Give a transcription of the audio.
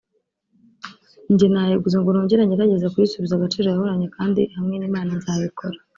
njye nayiguze ngo nongere ngerageze kuyisubiza agaciro yahoranye kandi hamwe n’Imana nzabikora